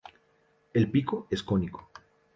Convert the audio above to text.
El pico es cónico.